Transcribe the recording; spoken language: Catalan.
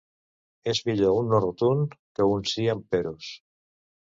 És millor un no rotund, que un sí amb peròs.